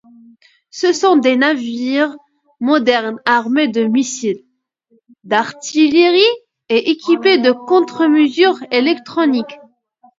Ce sont des navires modernes armés de missiles, d'artillerie et équipés de contre-mesure électronique.